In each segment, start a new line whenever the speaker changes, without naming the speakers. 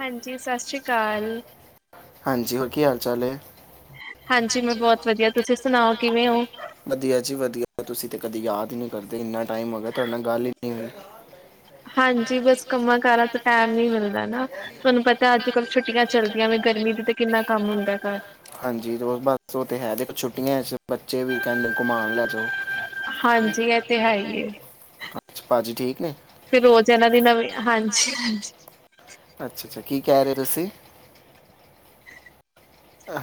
ਹਾਂਜੀ ਸਤਿ ਸ੍ਰੀ ਕਾਲ
ਹਾਂਜੀ ਹੋਰ ਕੀ ਹਾਲ ਚਾਲ ਐ ਹਾਂਜੀ ਮੈਂ ਬੋਤ ਵਧੀਆ ਤੁਸੀ ਸੁਣਾਓ ਕਿਵੇਂ ਓ ਵਧੀਆ ਜੀ ਵਧੀਆ ਤੁਸੀ ਤੇ ਕਦੇ ਯਾਦ ਈ ਨੀ ਕਰਦੇ ਇੰਨਾ ਟਾਈਮ ਹੋ ਗਿਆ ਤੁਹਾਡੇ ਨਾਲ ਗੱਲ ਈ ਨਹੀਂ ਹੋਈ
ਹਾਂਜੀ ਬਸ ਕੰਮਾਂ ਕਾਰਾਂ ਤੋਂ ਟੈਮ ਨੀ ਮਿਲਦਾ ਨਾ ਤੁਹਾਨੂੰ ਪਤਾ ਅੱਜ ਕੱਲ ਛੁੱਟੀਆਂ ਚੱਲਦੀਆਂ ਗਰਮੀ ਦੀ ਤੇ ਕਿੰਨਾ ਕੰਮ ਹੁੰਦਾ ਘਰ
ਹਾਂਜੀ ਰ ਬਸ ਓ ਤੇ ਹੈ ਦੇਖੋ ਛੁੱਟੀਆਂ ਚ ਬੱਚੇ ਵੀ ਕਹਿਣ ਘੁਮਾਣ ਲੈ ਜਾਓ
ਹਾਂਜੀ ਏ ਤੇ ਹੈ ਈ ਏ ਫਿਰ ਰੋਜ਼ ਇਹਨਾਂ ਦੀ ਨਵੀਆਂ ਹਾਂਜੀ ਜੀ ਹਾਂਜੀ
ਅੱਛਾ-ਅੱਛਾ ਕੀ ਕੈਰੇ ਤੁਸੀ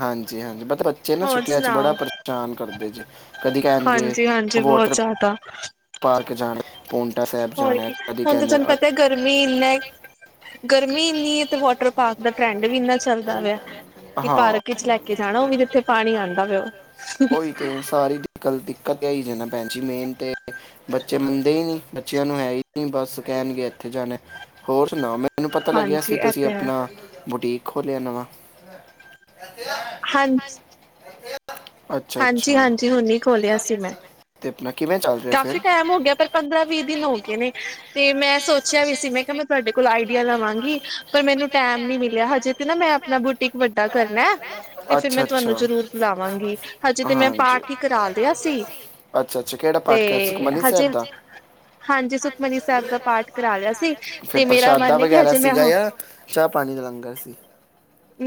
ਹਾਂਜੀ-ਹਾਂਜੀ ਬੱਚੇ ਨਾ ਛੁੱਟੀਆਂ ਚ ਬੜਾ ਪਰੇਸ਼ਾਨ ਕਰਦੇ ਜੇ ਕਦੀ ਕੈਣਗੇ ਵੋਟਰ ਪਾਕ [unintelligible] ਜਾਣੇ
ਹੋਰ ਕੀ ਹੁਣ ਤਾਂ ਤੁਹਾਨੂੰ ਪਤਾ ਗਰਮੀ ਇੰਨਾ
ਗਰਮੀ ਇੰਨੀ ਤੇ ਇਹ ਵੋਟਰ ਪਾਕ [unintelligible] ਹਾਂ ਓਹੀ ਤੇ ਸਾਰੀ ਦਿੱਕਤ-ਦਿੱਕਤ ਜਾਣਾ ਭੈਣ ਜੀ ਮੇਨ ਤੇ ਬੱਚੇ ਮੰਨਦੇ ਈ ਨੀ ਬੱਚਿਆਂ ਨੂੰ ਹੈ ਬਸ ਕੈਣਗੇ ਏਥੇ ਜਾਣਾ ਹੋਰ ਸੁਣਾ ਮੈਂ ਮੈਨੂੰ ਪਤਾ ਲੱਗਿਆ ਸੀ ਤੁਸੀਂ ਆਪਣਾ ਬਟੀਕ ਖੋਲਿਆ ਨਵਾਂ। ਹਾਂਜੀ।
ਹਾਂਜੀ ਹਾਂਜੀ ਹੁਨੀ ਖੋਲਿਆ ਸੀ ਮੈਂ ਕਾਫੀ ਟਾਈਮ ਹੋ ਗਿਆ ਪਰ ਪੰਦਰਾਂ ਵੀਹ ਦਿਨ ਹੋ ਗਏ ਨੇ ਤੇ ਮੈਂ ਸੋਚਿਆ ਵੀ ਸੀ ਮੈਂ ਕਿਹਾ ਮੈਂ ਤੁਹਾਡੇ ਕੋਲ ਆਈਡੀਆ ਲਵਾਂਗੀ ਪਰ ਮੈਨੂੰ ਟੈਮ ਨੀ ਮਿਲਿਆ ਹਜੇ ਤੇ ਨਾ ਮੈਂ ਆਪਣਾ ਬੁਟੀਕ ਵੱਡਾ ਕਰਨਾ ਤੇ ਫਿਰ ਮੈਂ ਤੁਹਾਨੂੰ ਜ਼ਰੂਰ ਬੁਲਾਵਾਂਗੀ ਤੇ ਮੈਂ ਪਾਠ ਹੀ ਕਰਾ ਲਿਆ ਸੀ ਤੇ ਹਜੇ ਹਾਂਜੀ ਸੁਖਮਨੀ ਸੈਬ ਦਾ ਪਾਠ ਕਰਾ ਲਿਆ ਸੀ ਤੇ ਮੇਰਾ [unintelligible]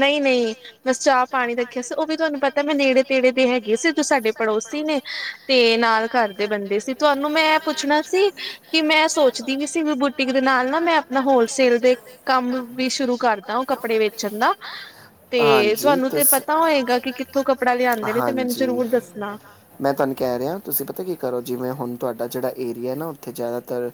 ਨਹੀਂ ਨਹੀਂ ਬਸ ਚਾਹ ਪਾਣੀ ਰੱਖਿਆ ਸੀ ਉਹ ਵੀ ਤੁਹਾਨੂੰ ਪਤਾ ਮੈਂ ਨੇੜੇ- ਹੈਗੇ ਸੀ ਜੋ ਸਾਡੇ ਪੜੋਸੀ ਨੇ ਤੇ ਨਾਲ ਘਰ ਦੇ ਬੰਦੇ ਸੀ ਤੁਹਾਨੂੰ ਮੈਂ ਪੁੱਛਣਾ ਸੀ ਕਿ ਮੈਂ ਸੋਚਦੀ ਵੀ ਸੀ ਵੀ ਬੁਟਿਕ ਦੇ ਨਾਲ ਨਾ ਮੈਂ ਆਪਣਾ ਹੋ ਸੇਲ ਦੇ ਕੰਮ ਵੀ ਸ਼ੁਰੂ ਕਰਦਾ ਉਹ ਕੱਪੜੇ ਵੇਚਣ ਦਾ ਤੇ ਤੁਹਾਨੂੰ ਤੇ ਪਤਾ ਹੋਏਗਾ ਕਿ ਕਿੱਥੋਂ ਕੱਪੜਾ ਲਿਆ
ਹਾਂਜੀ ਮੈਂ ਤੁਹਾਨੂੰ ਕਹਿ ਰਿਹਾ ਤੁਸੀਂ ਪਤਾ ਕੀ ਕਰੋ ਜਿਵੇਂ ਹੁਣ ਤੁਹਾਡਾ ਜਿਹੜਾ ਏਰੀਆ ਨਾ ਉੱਥੇ ਜ਼ਿਆਦਾਤਰ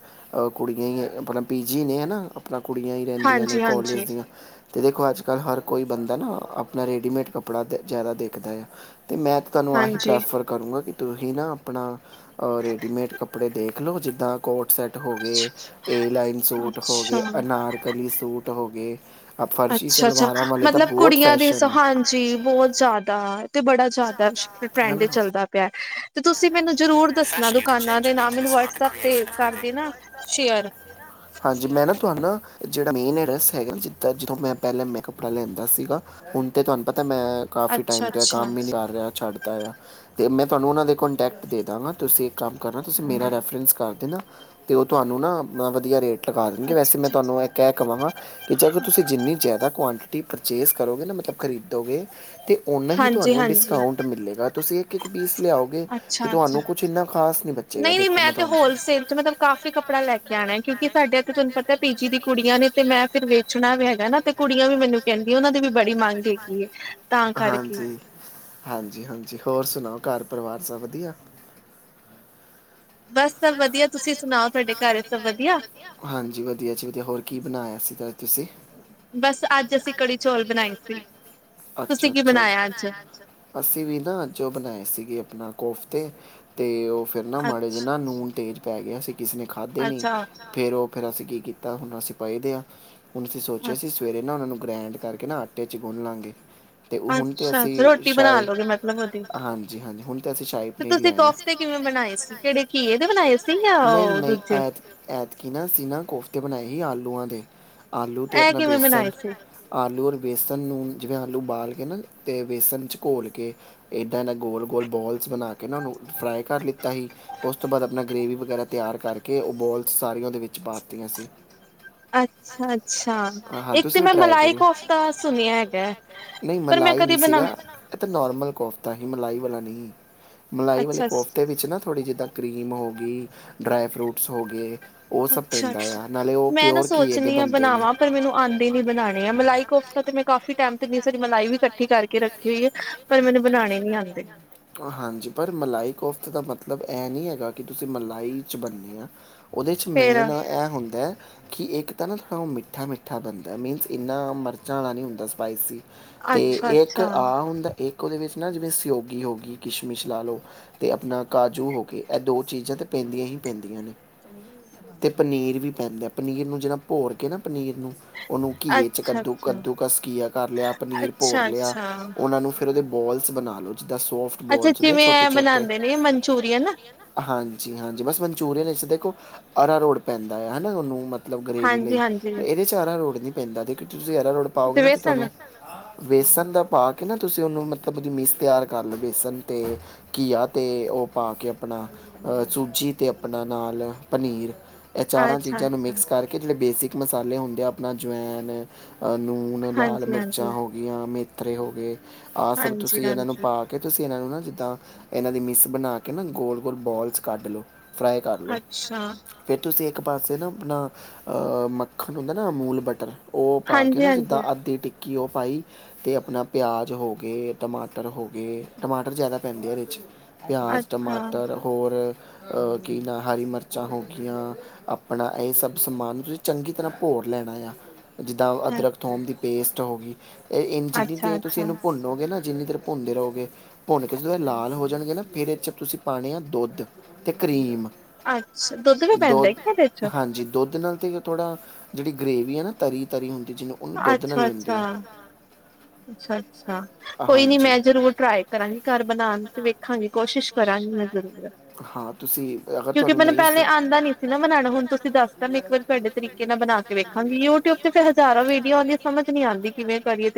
ਕੁੜੀਆਂ ਹੀ ਆਪਣਾ ਪੀ ਜੀ ਨੇ ਨਾ ਆਪਣਾ ਕੁੜੀਆਂ ਹੀ ਰਹਿੰਦੀਆਂ ਨੇ ਕੌਲਜ ਦੀਆਂ ਅਤੇ ਦੇਖੋ ਅੱਜ ਕੱਲ੍ਹ ਹਰ ਕੋਈ ਬੰਦਾ ਨਾ ਆਪਣਾ ਰੇਡੀਮੇਡ ਕੱਪੜਾ ਜ਼ਿਆਦਾ ਦੇਖਦਾ ਆ। ਅਤੇ ਮੈਂ ਤੁਹਾਨੂੰ ਆਹੀ ਪ੍ਰੈਫਰ ਕਰੂੰਗਾ ਕਿ ਤੁਸੀਂ ਨਾ ਆਪਣਾ ਰੈਡੀਮੇਡ ਕੱਪੜੇ ਦੇਖ ਲਓ ਜਿੱਦਾਂ ਕੋਟ ਸੈੱਟ ਹੋ ਗਏ ਏ ਲਾਈਨ ਸੂਟ ਹੋ ਗਏ ਅਨਾਰਕਲੀ ਸੂਟ ਟ ਹੋ ਗਏ
ਅੱਛਾ ਅੱਛਾ ਮਤਲਬ ਕੁੜੀਆਂ ਦੀ ਸੋਹਾ ਹਾਂਜੀ ਬਹੁਤ ਜ਼ਿਆਦਾ ਤੇ ਬੜਾ ਜਿਆਦਾ ਟਰੈਂਡ ਚੱਲਦਾ ਪਿਆ।
[unintelligible] ਹਾਂਜੀ ਮੈਂ ਨਾ ਤੁਹਾਨੂੰ ਨਾ ਜਿਹੜਾ ਮੇਨ ਅਡਰੈਸ ਹੈਗਾ ਜਿੱਦਾਂ ਜਦੋਂ ਮੈਂ ਪਹਿਲਾਂ ਮੈਂ ਕੱਪੜਾ ਲੈਂਦਾ ਸੀਗਾ ਹੁਣ ਤੇ ਤੁਹਾਨੂੰ ਪ ਤਾਂ ਮੈਂ ਕਾਫੀ ਟਾਈਮ ਤੇ ਕੰਮ ਹੀ ਨੀ ਕਰ ਰਿਹਾ ਛੱਡਤਾ ਐ ਤੇ ਮੈਂ ਤੁਹਾਨੂੰ ਉਹਨਾਂ ਦੇ ਕੋਂਟੈਕਟ ਦੇ ਦਾਂਗਾ ਤੁਸੀਂ ਇੱਕ ਕੰਮ ਕਰਨਾ ਤੁਸੀਂ ਮੇਰਾ ਰੈਫਰੈਂਸ ਕਰ ਦੇਣਾ ਅਤੇ ਉਹ ਤੁਹਾਨੂੰ ਨਾ ਵਧੀਆ ਰੇਟ ਲਗਾ ਦੇਣਗੇ ਵੈਸੇ ਮੈਂ ਤੁਹਾਨੂੰ ਇਹ ਕਹਿ ਕਹਾਂਗਾ ਕਿ ਜੇਕਰ ਤੁਸੀਂ ਜਿੰਨੀ ਜ਼ਿਆਦਾ ਕੁਆਂਟਿਟੀ ਪਰਚੇਸ ਕਰੋਗੇ ਨਾ ਮਤਲਬ ਖਰੀਦੋਗੇ ਅਤੇ ਨਾਂ ਹੀ ਤੁਹਾਨੂੰ ਡਿਸਕਾਊਂਟ ਮਿਲੇਗਾ ਤੁਸੀਂ ਇੱਕ ਇੱਕ ਪੀਸ ਲਿਆਓਗੇ ਤੇ ਤੁਹਾਨੂੰ ਕੁੱਛ ਇੰਨਾ ਖਾਸ ਬਚੇਗਾ ਦੇਖੋ ਮੈਂ ਤੁਹਾਨੂੰ ਨਹੀਂ ਮੈਂ ਤੇ ਹੋਲਸੇਲ ਚ ਮਤਲਬ ਕਾਫੀ ਕੱਪੜਾ ਆਣਾ ਕਿਉਕਿ ਸਾਡੇ ਇੱਥੇ ਤੁਹਾਨੂੰ ਪਤਾ ਪੀਜੀ ਦੀਆਂ ਕੁੜੀਆਂ ਨੇ ਤੇ ਮੈਂ ਫਿਰ ਵੇਚਣਾ ਵੀ ਹੈਗਾ ਤੇ ਕੁੜੀਆਂ ਵੀ ਮੈਨੂੰ ਕਹਿੰਦੀਆਂ ਉਹਨਾਂ ਦੀ ਵੀ ਬੜੀ ਮੰਗ ਹੈਗੀ ਏ ਹਾਂਜੀ ਹਾਂਜੀ ਹਾਂਜੀ ਹੋਰ ਸੁਣਾਉ ਘਰ ਪਰਿਵਾਰ ਸਭ ਵਧੀਆ? ਬਸ ਸਭ ਵਧੀਆ, ਤੁਸੀਂ ਸੁਣਾਓ ਤੁਹਾਡੇ ਘਰ ਸਭ ਵਧੀਆ? ਹਾਂਜੀ ਵਧੀਆ ਜੀ ਵਧੀਆ ਹੋਰ ਕੀ ਬਣਾਇਆ ਸੀਗਾ ਅੱਜ ਤੁਸੀਂ? ਬਸ ਅੱਜ ਅਸੀਂ ਕੜੀ ਚੌਲ ਬਣਾਏ ਸੀ ਅੱਛਾ ਅੱਛਾ ਤੁਸੀਂ ਕੀ ਬਣਾਇਆ ਅੱਜ? ਅਸੀਂ ਵੀ ਨਾ ਅੱਜ ਉਹ ਬਣਾਏ ਸੀਗੇ ਆਪਣਾ ਕੋਫਤੇ ਤੇ ਉਹ ਫਿਰ ਨਾ ਮਾੜੇ ਜੇ ਨਾ ਨੂਨ ਤੇਜ਼ ਪੈ ਗਿਆ ਸੀ। ਕਿਸੇ ਨੇ ਖਾਧੇ ਨਹੀਂ ਫਿਰ ਉਹ। ਫਿਰ ਅਸੀਂ ਕੀ ਕੀਤਾ ਹੁਣ ਅਸੀਂ ਪਏਦੇ ਆ। ਹੁਣ ਅਸੀਂ ਸੋਚਿਆ ਸੀ ਸਵੇਰੇ ਨਾ ਉਹਨਾਂ ਨੂੰ। ਗ੍ਰੈਂਡ ਕਰਕੇ ਨਾ ਆਟੇ ਚ ਗੁੰਨ ਲਵਾਂਗੇ। ਤੇ ਹੁਣ ਤੇ ਅਸੀਂ ਸ਼ਾਇ ਹਾਂਜੀ ਹਾਂਜੀ ਹੁਣ
ਤੇ ਤੁਸੀਂ ਕੋਫਤੇ ਕਿਵੇਂ ਬਣਾਏ ਸੀ ਕਿਹੜੇ ਘਿਏ ਦੇ ਬਣਾਏ ਸੀ ਜਾਂ ਉਹ ਦੂਜੇ।
ਅੱਗੇ ਬਣਾਏ ਸੀ ਆਲੂਆਂ ਦੇ। ਆਲੂ ਅਤੇ ਆਪਣਾ ਬੇਸਣ ਆਲੂ ਬੇਸਣ ਨੂੰ ਜਿਵੇਂ ਆਲੂ ਉਬਾਲ ਕੇ ਨਾ ਤੇ ਵੇਸਣ ਚ ਘੋਲ ਕੇ ਇੱਦਾਂ ਇੱਦਾਂ ਗੋਲ ਗੋਲ ਬੋਲ ਬਣਾ ਕੇ ਉਹ ਨੂੰ ਫਰਾਈ ਕਰ ਲਿੱਤਾ ਹੀ ਉਸ ਤੋਂ ਬਾਅਦ ਆਪਣਾ ਗਰੇਵੀ ਵਗੈਰਾ ਤਿਆਰ ਕਰਕੇ ਉਹ ਬੋਲਸ ਸਾਰੀਆਂ ਉਹਦੇ ਵਿੱਚ ਪਾ ਦਿੱਤੀਆਂ ਸੀ।
ਅੱਛਾ ਅੱਛਾ ਇੱਕ ਤੇ ਮੈਂ ਮਲਾਈ ਕੋਫਤਾ ਸੁਣਿਆ ਹੈਗਾ ਪਰ ਮੈਂ ਕਦੀ ਬਣਾ
ਕੋਫਤਾ ਹੀ ਮਲਾਈ ਵਾਲਾ ਨਹੀਂ। ਮਲਾਈ ਵਾਲੇ ਕੋਫਤੇ ਵਿੱਚ ਨਾ। ਥੋੜ੍ਹੀ ਜਿੱਦਾਂ ਕਰੀਮ ਹੋ ਗਈ ਡਰਾਏ ਫਰੂਟਸ ਹੋ ਗਏ।
ਅੱਛਾ ਅੱਛਾ ਮੈਂ ਨਾ ਸੋਚਣੀ ਆ ਬਣਾਵਾਂ ਪਰ ਮੈਨੂੰ ਆਉਂਦੀ ਨੀ ਬਣਾਉਣੀ ਆ ਮਲਾਈ ਕੋਫਤਾ ਤੇ ਮੈਂ ਕਾਫੀ ਟਾਈਮ ਤੋਂ ਮਲਾਈ ਵੀ ਇਕੱਠੀ ਕਰਕੇ ਰੱਖੀ ਹੋਈ ਆ ਪਰ ਮੈਨੂੰ ਬਣਾਣੇ ਨੀ ਆਉਂਦੇ।
ਹਾਂਜੀ ਪਰ ਮਲਾਈ ਕੋਫਤੇ ਦਾ ਮਤਲਬ ਇਹ ਨਹੀਂ ਹੈਗਾ ਕਿ ਤੁਸੀਂ ਮਲਾਈ ਚ ਬੰਦੇ ਹ ਉਹਦੇ ਚ ਮੇਨ ਇਹ ਹੁੰਦਾ। ਕਿ ਇੱਕ ਤਾਂ ਨਾ ਥੜਾ ਮਿੱਠਾ ਮਿੱਠਾ ਬਣਦਾ ਮੀਨਸ ਇੰਨਾ ਮਿਰਚਾਂ ਵਾਲਾ ਨਹੀਂ ਹੁੰਦਾ ਸਪਾਈਸੀ। ਤੇ ਇੱਕ ਆ ਹੁੰਦਾ ਇੱਕ ਉਹਦੇ ਵਿੱਚ ਨਾ ਜਿਵੇਂ ਸਯੋਗੀ ਹੋ ਗਈ। ਕਿਸ਼ਮਿਸ਼ ਲਾ ਲਉ ਅਤੇ ਆਪਣਾ ਕਾਜੂ ਹੋ ਗਏ ਇਹ ਦੋ ਚੀਜ਼ਾਂ ਤਾਂ ਪੈਂਦੀਆਂ ਹੀ ਪੈਂਦੀਆਂ ਅਤੇ ਪਨੀਰ ਵੀ ਪੈਂਦਾ ਪਨੀਰ ਨੂੰ ਜਰਾ ਭੋਰ ਕੇ ਨਾ ਪਨੀਰ ਨੂੰ ਉਹਨੂੰ ਘੀਏ ਚ ਕੱਦੂ ਕੱਦੂ ਕਸ ਘੀਆ ਕਰ ਲਿਆ ਪਨੀਰ ਭੋਰ ਲਿਆ ਉਹਨਾਂ ਨੂੰ। ਫਿਰ ਉਹਦੇ ਬੋਲਸ ਬਣਾ ਲੋ ਜਿੱਦਾਂ ਸੋ ਬੋਲਸ ਛੋਟੇ ਛੋਟੇ ਹਾਂਜੀ ਹਾਂਜੀ ਬੱਸ ਮੈਨੂੰ ਮਨਚੂਰੀਅਨ ਚ ਦੇਖੋ ਅਰਾਰੋਟ ਪੈਂਦਾ ਹੈ ਹਨਾ ਨੂਨ ਮਤਲਬ ਗ੍ਰਰੇਵੀ ਲਈ ਇਹਦੇ ਚ ਅਰਾਰੋਟ ਨ ਪੈਂਦਾ ਦੇ ਤੁਸੀਂ ਅਰਾਰੋਟ ਪਾਓਗੇ ਨਾ ਤੇ ਤੁਹਾਨੂੰ ਵੇਸਣ ਦਾ ਪਾ ਕੇ ਨਾ ਤੁਸੀਂ ਉਹਨੂੰ ਮਤਲਬ ਮੀਸ ਤਿਆਰ ਕਰ ਲਓ। ਬੇਸਣ ਤੇ ਘੀਆ ਤੇ ਉਹ ਪਾ ਕੇ ਆਪਣਾ ਸੂਜੀ ਅਤੇ ਆਪਣਾ ਨਾਲ ਪਨੀਰ। ਇਹ ਚਾਰਾਂ ਚੀਜ਼ਾਂ ਨੂੰ ਮਿਕਸ ਕਰਕੇ ਜਿਹੜੇ ਬੇਸਿਕ ਮਸਾਲੇ ਹੁੰਦੇ ਆ ਆਪਣਾ ਜਵਾਇਨ। ਲੂਣ ਲਾਲ ਮਿਰਚਾਂ ਹੋ ਗਈਆਂ ਮੇ ਰੇ ਹੋ ਗਏ। ਆਹ ਸਭ ਤੁਸੀਂ ਇਹਨਾਂ ਨੂੰ ਪਾ ਕੇ ਤੁਸੀਂ ਇਹਨਾਂ ਨੂੰ ਨਾ ਜਿੱਦਾਂ ਇਹਨਾਂ ਦੀ ਮਿਸ ਬਣਾ ਕੇ ਨਾ ਗੋਲ ਗੋਲ ਬੋਲਸ ਕੱਢ ਲਓ ਫਰਾਈ ਕਰ ਲਓ ਫਿਰ ਤੁਸੀਂ ਇੱਕ ਇੱਕ ਪਾਸੇ ਨਾ ਆਪਣਾ ਅਹ ਮੱਖਣ ਹੁੰਦਾ ਨਾ ਅਮੂਲ ਬਟਰ ਉਹ ਪਾ ਕੇ ਨਾ ਜਿੱਦਾਂ ਅੱਧੀ ਟਿੱ ਕਿ ਉਹ ਪਾਈ ਅਤੇ ਆਪਣਾ ਪਿਆਜ਼ ਹੋ ਗਏ ਟਮਾਟਰ ਹੋ ਅਤੇ ਟਮਾਟਰ ਜ਼ਿਆਦਾ ਪੈਂਦੇ ਆ ਇਹਦੇ ਚ। ਪਿਆਜ਼ ਟਮਾਟਰ ਹੋਰ। ਕਿ ਨਾ ਹਰੀ ਮਿਰਚਾਂ ਹੋ ਗਈਆਂ ਆਪਣਾ ਇਹ ਸਭ ਸਮਾਨ ਤੁਸੀਂ ਚੰਗੀ ਤਰ੍ਹਾਂ ਭੋਰ ਲੈਣਾ ਆ। ਜਿੱਦਾਂ ਅਦਰਕ ਥੋਮ ਦੀ। ਪੇਸਟ ਹੋ ਗਈ। ਇਹ ਇੰਨੀ ਜਿੰਨੀ ਦੇ ਤੁਸੀਂ ਇਹਨੂੰ ਭੁੰਨੋਗੇ ਨਾ ਜਿੰਨੀ ਤਰ੍ਹਾਂ। ਭੁੰਨਦੇ ਰਹੋਗੇ ਭੁੰਨ ਕੇ ਜਦੋਂ ਇਹ ਲਾਲ ਹੋ ਜਾਣਗੇ ਨਾ ਫਿਰ ਇਹ ਚ ਤੁਸੀਂ ਪਾਉਣੇ ਆ ਦੁੱਧ ਅਤੇ ਕਰੀਮ।
ਅੱਛਾ ਦੁੱਧ ਵੀ ਪੈਦਾ ਕਿਆ ਵਿੱਚ
ਤੇ ਥੋੜਾ ਜਿਹੜੀ ਗ੍ਰੇਵੀ ਹੈ ਨਾ ਤਰੀ ਤਰੀ ਹੁੰਦੀ। ਜਿਹਨੂੰ ਉਹਨੂੰ ਦੁੱਧ ਨਾਲ ਦਿੰਦੀ ਆ।
ਅੱਛਾ ਅੱਛਾ ਕੋਈ ਨੀ ਮੈਂ
ਮੈਂ ਜਰੂਰ ਟਰਾਈ ਕਰਾਂਗੀ ਘਰ ਬਣਾ ਕੇ ਵੇਖਾਂਗੀ ਕੋਸ਼ਿਸ਼ ਕਰਾਂਗੀ ਹਾਂ ਤੁਸੀਂ ਅਗਰ ਤੁਹਾਨੂੰ ਨਹੀਂ ਆਉਂਦਾ ਨਹੀਂ ਸੀ ਨਾ ਬਣਾ ਯੂਟੀਊਬ ਤੇ ਵੀ ਹਜ਼ਾਰਾਂ ਵੀਡੀਓ ਸਮਝ ਨਹੀਂ ਆਉਂਦੀ ਕਿਵੇਂ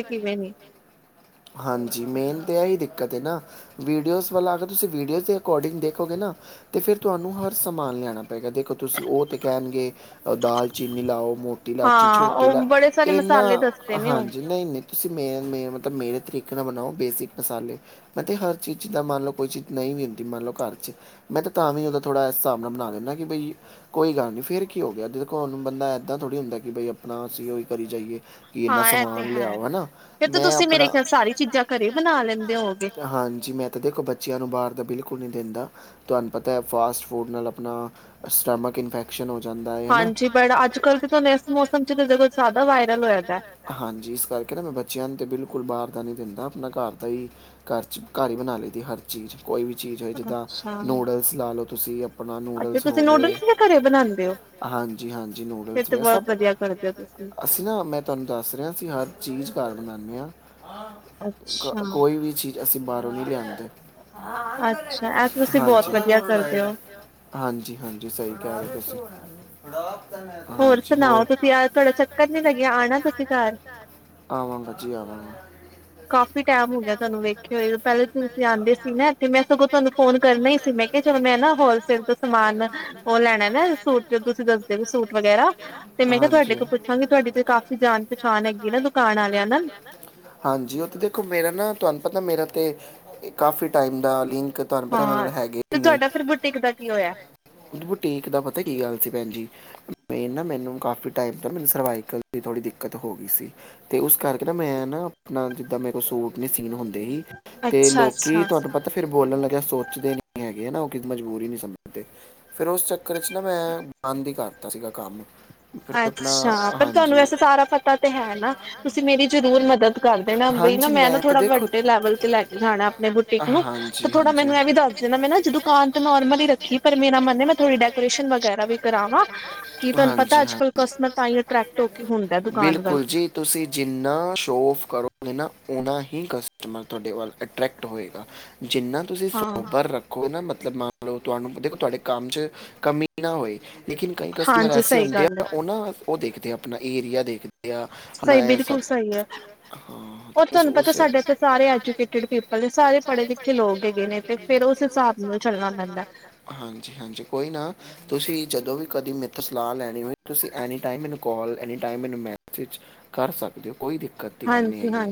ਹਾਂਜੀ ਮੇਨ ਦਿੱਕਤ ਹੈ ਨਾ ਵੀਡੀਓਜ਼ ਵਾਲਾ ਅਗਰ ਤੁਸੀਂ ਵੀਡੀਓਜ਼ ਦੇ ਅਕੋਰਡਿੰਗ ਦੇਖੋਗੇ ਨਾ ਅਤੇ ਫਿਰ ਤੁਹਾਨੂੰ ਹਰ ਸਮਾਨ ਲਿਆਉਣਾ ਪਏਗਾ ਦੇਖੋ ਤੁਸੀਂ ਉਹ ਤਾਂ ਕਹਿਣਗੇ ਦਾਲ ਚੀਨੀ ਲਾਓ ਮੋਟੀ ਲਾਚੀ ਛੋਟੀ ਲਾ ਇਹਨਾਂ ਹਾਂਜੀ ਨਹੀਂ ਨਹੀਂ ਤੁਸੀਂ ਮੇਨ ਮੇਨ ਮਤਲਬ ਮੇਰੇ ਤਰੀਕੇ ਨਾਲ ਬਣਾਓ ਬੇਸਿਕ ਮਸਾਲੇ ਮੈਂ ਤਾਂ ਹਰ ਚੀਜ਼ਦਾਂ ਮੰਨ ਲਓ ਕੋਈ ਚੀਜ਼ ਨਹੀਂ ਵੀ ਹੁੰਦੀ ਮੰਨ ਲਓ ਘਰ ਚ ਮੈਂ ਤਾਂ ਵੀ ਉਹਦਾ ਥੋੜ੍ਹਾ ਹਿਸਾਬ ਨਾਲ ਬਣਾ ਦਿੰਦਾ ਕਿ ਬਈ ਕੋਈ ਗੱਲ ਨਹੀਂ ਫਿਰ ਕੀ ਹੋ ਗਿਆ ਦੇਖੋ ਹੁਣ ਬੰਦਾ ਇੱਦਾਂ ਥੋੜ੍ਹੀ ਹੁੰਦਾ ਕਿ ਬਈ ਆਪਣਾ ਅਸੀਂ ਉਹੀ ਕਰੀ ਜਾਈਏ
ਹਾਂ ਇਹ ਤੇ ਹੈ ਫਿਰ ਤਾਂ ਤੁਸੀਂ ਮੇਰੇ ਖਿਆਲ ਸਾਰੀ ਚੀਜ਼ਾਂ ਘਰੇ ਬਣਾ ਲੈਂਦੇ
ਹਾਂਜੀ ਮੈਂ ਤਾਂ ਦੇਖੋ ਬੱਚਿਆਂ ਨੂੰ ਬਾਹਰ ਬਿਲਕੁਲ ਨਹੀਂ ਦਿੰਦਾ ਤੁਹਾਨੂੰ ਪਤਾ ਫਾਸਟ ਫੂਡ ਨਾਲ ਆਪਣਾ ਸਟਮਕ ਇਨਫੈਕਸ਼ਨ ਹੋ ਜਾਂਦਾ ਹੈ ਨਾ ਹਾਂਜੀ ਇਸ ਕਰ ਨਾ ਮ ਬਚਿਆ ਨੂੰ ਤੇ ਬਿਲਕੁਲ ਕੋਲ ਬਾਹਰ ਤਾਂ ਨਹੀ ਦਿੰਦਾ ਆਪਣਾ ਘਰ ਭਈ ਘਰ ਘਰ ਹੀ ਬਣਾ ਲਈ ਤੀ ਹਰ ਚੀਜ਼ ਕੋਈ ਵੀ ਚੀਜ਼ ਹੋ ਜਿਦਾਂ ਨੂਡਲਸ ਲਾ ਲੋ ਤੁਸੀਂ ਆਪਣਾ ਨੂਡਲਸ ਹੋਗ ਹਾਂਜੀ ਹਾਂਜੀ ਨੂਡਲਸ ਹੋ ਸਭ ਅਸੀਂ ਨਾ ਮੈਂ ਤੁਹਾਨੂੰ ਦੱਸ ਰਹਾ ਅਸੀ ਹਰ ਚੀਜ਼ ਘਰ ਬਨਾਨੇ ਆ
ਅੱਛਾ
ਕੋਈ ਵੀ ਚੀਜ਼ ਅਸੀਂ ਬਾਹਰੋਂ ਨਹੀਂ ਲਿਆਉਣਾ ਹਾਂਜੀ, ਹਾਂਜੀ, ਹਾਂਜੀ ਸਈ ਕੈਰੇ ਤੁਸੀ। [inaudible] ਹੋ [inaudible] [unintelligible] ਦੇਖੋ ਮੇਰਾ ਨਾ ਤੁਆਨੂੰ ਪਤਾ ਮੇਰਾ ਤੇ ਕਾਫੀ ਟਾਈਮ ਦਾ ਲਿੰਕ ਤੁਆਨੂੰ ਪਤਾ ਮੇਰੇ ਨਾਲ ਹੈਗੇ ਨੇ, ਬੁਟੀਕ ਦਾ ਪਤਾ ਕੀ ਗੱਲ ਸੀ ਭੈਨ ਜੀ ਮੇ ਨਾ ਮੈਨੂੰ, ਕਾਫੀ ਟਾਈਮ ਤੋ ਮੈਨੂੰ ਸਰਵਾਈਕਲ ਦੀ ਥੋੜੀ ਦਿੱਕਤ ਹੋ ਗੀ ਸੀ, ਤੇ ਉਸ ਕਰਕੇ ਨਾ ਮੈਂ ਨਾ ਆਪਨਾ ਜਿੱਦਾਂ ਮੇ ਸੂਟ ਨੀ ਸੀਨ ਹੁੰਦੇ ਤੇ ਲੋਕੀ, ਤੁਆਨੂੰ ਪਤਾ ਫੇਰ ਬੋਲਨ ਲੱਗੇਆ ਸੋਚਦੇ ਨੀ ਹੈਗੇ ਨਾ। ਮਜਬੂਰੀ ਨੀ ਸਮਜਦੇ ਫੇਰ ਓਸ ਚੱਕਰ ਚ ਨਾ ਮੈਂ ਬੰਦ ਈ ਕਰਤਾ ਸੀਗਾ ਕੰਮ।
ਅੱਛਾ, ਪਰ ਤੁਆਨੂੰ ਵੈਸੇ ਸਾਰਾ ਪਤਾ ਤੇ ਹੈ ਨਾ, ਤੁਸੀਂ ਮੇਰੀ ਜਰੂਰ ਮਦਦ ਕਰਦੇ ਣਾ। ਵਈ ਨਾ ਮੈਂ ਨਾ ਥੋੜਾ ਵੱਡੇ ਲੈਵਲ ਤੇ ਲੈ ਕੇ ਜਾਣੈ ਆਪਨੇ ਬੁਟਿਕ ਨੂੰ, ਤੇ ਥੋੜਾ ਮੈਨੂੰ ਐ ਵੀ ਦੱਸ ਦੇਨਾ ਮੈਂ ਨਾ ਦੁਕਾਨ ਤੇ ਨੋਰਮਲ ਈ ਰੱਖੀ ਏ, ਪਰ ਮੇਰਾ ਮਨ ਏ ਮੈਂ ਥੋੜੀ ਡੈਕੋਰੇਸ਼ਨ ਵਗੈਰਾ ਵੀ ਕਰਾਵਾਂ ਕਿ ਤੁਆਨੂੰ ਪਤਾ ਅੱਜ
ਬਿਲਕੁਲ ਜੀ, ਤੁਸੀਂ ਜਿੰਨਾ ਸ਼ੋ ਓਫ ਕਰੋ ਨਾ ਓਨਾ ਹੀ ਕਸਟਮਰ ਤੁਆਡੇ ਵੱਲ ਅਟ੍ਰੈਕਟ ਹੋਏਗਾ। ਜਿੰਨਾ ਤੁਸੀਂ ਸੋਬਰ ਰੱਖੋ ਗ ਨਾ ਮਤਲਬ ਮੰਨ ਲੋ ਤੁਆਨੂੰ ਪਤੈ ਤੁਹਾਡੇ ਕੰਮ ਚ ਕਮੀ ਨਾ ਹੋਏ ਲੇਕਿਨ ਕਈ ਕਸਟਮਰ ਐਸੇ ਹੁੰਦੇ ਆ ਓਨਾਂ ਓ ਦੇਖਦੇ ਆ ਆਪਨਾ ਏਰੀਆ ਦੇਖਦੇ
ਸਈ ਬਿਲਕੁਲ ਸਈ ਐ।
ਹਾਂ, ਹਾਂਜੀ, ਹਾਂਜੀ ਕੋਈ ਨਾ ਤੁਸੀਂ ਤੁਸੀਂ ਜਦੋਂ ਵੀ ਕਦੀ ਮੇਤੋਂ ਸਲਾਹ ਲੈਣੀ ਹੋਏ, ਤੁਸੀ ਐਨੀ ਟਾਈਮ ਮੈਨੂੰ ਕੌਲ, ਐਨੀ ਟਾਈਮ ਮੈਨੂੰ ਮੈਸੇਜ ਕਰ ਸਕਦੇ ਓ ਕੋਈ ਦਿੱਕਤ ਗ ਨਹੀਂ ਹੈਗੀ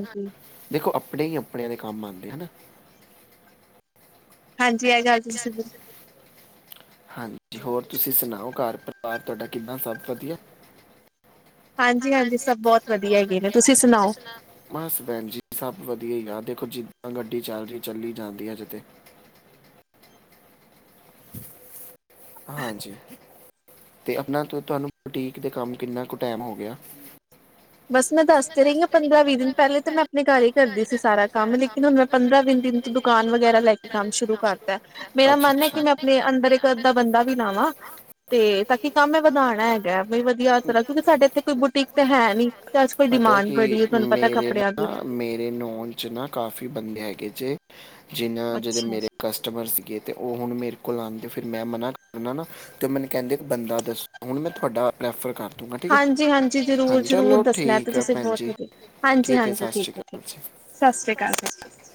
ਦੇਖੋ ਆਪ ਅਪਣੇ ਈ ਅਪਣੇਯਾ ਦੇ ਕੰਮ ਆਂਦੇ ਹਨਾ
ਹਾਂਜੀ, ਐ ਗੱਲ ਤੁਸੀ
ਹੋਰ ਤੁਸੀਂ ਸੁਨਾਓ, ਘਰ ਪਰਿਵਾਰ ਤੁਹਾਡਾ ਕਿਦਾ ਸਭ ਵਦੀਆ?
ਹਾਂਜੀ, ਹਾਂਜੀ ਸਬ ਬੋਤ ਵਦੀਆ ਹੈਗੇ ਨੇ ਤੁਸੀਂ ਸੁ
ਤੁਸੀ ਸੁਣਾਆ ਬਸ ਭੈਨ ਜੀ ਸਬ ਵਦੀਆ ਯਾ ਦੇਖੋ ਜਿੱਦਾਂ ਗੱਡੀ ਚਾਲ ਰੀ ਚੱਲੀ ਜਾਂਦੀ ਆ ਹਜੇ ਤੇ। ਹਾਂਜੀ, ਤੇ ਅਪਨਾ ਤੁ ਤੂਆਨੂੰ ਬਟੀਕ ਦੇ ਕੰਮ ਕਿੰਨਾ ਕੁ ਟੈਮ ਹੋ ਗਿਆ?
ਬੱਸ ਮੈਂ ਦੱਸ ਤੇ ਰਈ ਆਂ, ਪੰਦਰਾਂ- ਵੀ ਦਿਨ ਪੈਲੇ ਤੇ ਮੈਂ ਆਪਨੇ ਘਾਰ ਈ ਕਰਦੀ ਸੀ ਸਾਰਾ ਕੰਮ। ਲੇਕਿਨ ਹੁਨ ਮੈਂ ਪੰਦਰਾਂ- ਵੀ ਦਿਨ ਤੋਂ ਦੁਕਾਨ ਵਗੈਰਾ ਲੈ ਕੇ ਕੰਮ ਸ਼ੁਰੂ ਕਰਤੈ। ਮੇਰਾ ਮਨ ਐ ਕਿ ਮੈਂ ਅੰਦਰ ਇੱਕ- ਅੱਦਾ ਬੰਦਾ ਵੀ ਲਾਵਾ, ਤੇ ਤਾਂ ਕਿ ਕੰਮ ਮ ਵਦਾਣੈ ਹੈਗੈ ਵਈ ਵਦੀਆ ਤਰਾ, ਕਿਓਕੀ ਸਾਡੇ ਏਥੇ ਕੋਈ ਬੁਟੀਕ ਤੇ ਹੈ ਨੀ।
ਪਤਾ ਕਿ ਮੇਰੇ ਨਾ ਮੇਰੇ ਨੋਨ ਚ ਨਾ ਕਾਫੀ ਬੰਦੇ ਹੈਗੇ ਜੇ। ਜਿਨ੍ਹਾਂ ਜਿਹੜੇ ਮੇਰੇ ਕਸਟਮਰ ਸੀਗੇ। ਤੇ ਉਹ ਹੁਣ ਮੇਰੇ। ਕੋਲ ਆਉਂਦੇ ਫਿਰ ਮੈਂ ਮਨਾ ਕਰਨਾ ਨਾ ਤੇ ਮੈਨੂੰ ਕਹਿੰਦੇ ਫੇਰ ਬੰਦਾ ਦੱਸੋ ਹੁਣ ਮੈਂ ਤੁਹਾਡਾ।
ਹਾਂਜੀ ਹਾਂਜੀ ਜ਼ਰੂਰ ਜ਼ਰੂਰ ਦੱਸਣਾ ਤੇ ਤੁਸੀਂ ਬਹੁਤ ਵਧੀਆ ਹਾਂਜੀ ਹਾਂਜੀ ਠੀਕ ਹੈ ਠੀਕ ਹੈ ਸਤਿ ਸ੍ਰੀ ਅਕਾਲ ਸਤਿ ਸ਼੍ਰੀ ਅਕਾਲ।